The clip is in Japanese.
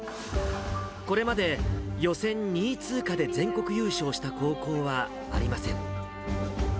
これまで予選２位通過で全国優勝した高校はありません。